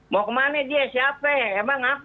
mau ke mana dia siapa emang ap